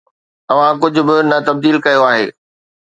توهان ڪجھ به نه تبديل ڪيو آهي